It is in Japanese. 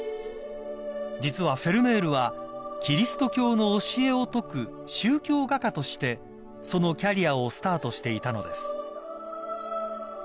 ［実はフェルメールはキリスト教の教えを説く宗教画家としてそのキャリアをスタートしていたのです］